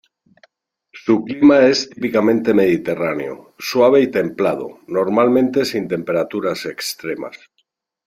Su clima es típicamente mediterráneo, suave y templado normalmente sin temperaturas extremas.